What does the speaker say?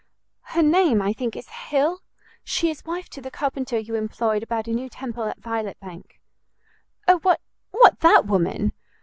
"Her name, I think, is Hill; she is wife to the carpenter you employed about a new temple at Violet Bank." "O, what what, that woman?